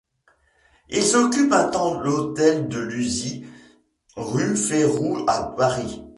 Ils occupent un temps l'hôtel de Luzy, rue Férou à Paris.